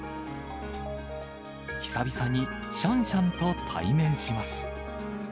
久々にシャンシャンと対面します。